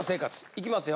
いきますよ